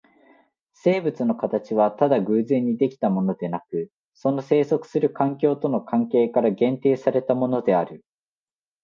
生物の形はただ偶然に出来たものでなく、その棲息する環境との関係から限定されたものである。